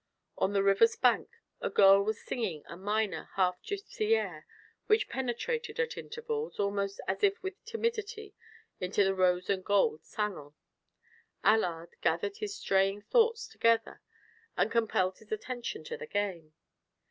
On the river's bank a girl was singing a minor, half Gipsy air which penetrated at intervals, almost as if with timidity, into the rose and gold salon. Allard gathered his straying thoughts together and compelled his attention to the game.